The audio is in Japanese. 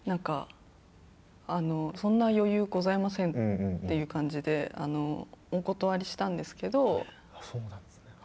そんな余裕ございませんという感じでお断りしたんですけど。